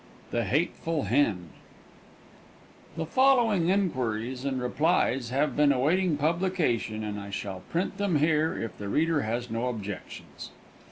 THE HATEFUL HEN XI The following inquiries and replies have been awaiting publication and I shall print them here if the reader has no objections.